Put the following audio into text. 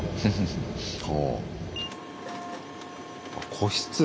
個室？